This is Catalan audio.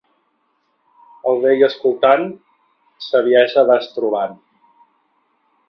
Al vell escoltant, saviesa vas trobant.